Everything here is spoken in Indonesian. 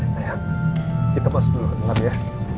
sehat kita masuk dulu ke dalam ya